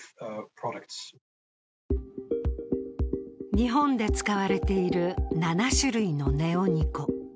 日本で使われている７種類のネオニコ。